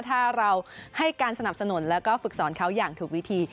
ถ้าเราให้การสนับสนุนแล้วก็ฝึกสอนเขาอย่างถูกวิธี